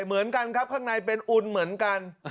เหมือนกันครับข้างในเป็นอุ่นเหมือนกัน